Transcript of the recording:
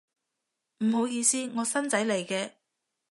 唔好意思，我新仔嚟嘅